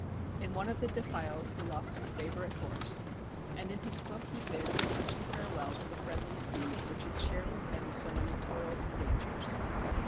In one of the defiles he lost his favorite horse, and in his book he bids a touching farewell to the friendly steed which had shared with him so many toils and dangers.